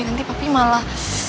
nanti papi malah